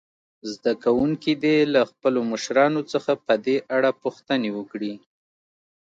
زده کوونکي دې له خپلو مشرانو څخه په دې اړه پوښتنې وکړي.